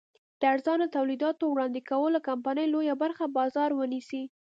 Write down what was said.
د ارزانه تولیداتو وړاندې کولو کمپنۍ لویه برخه بازار ونیسي.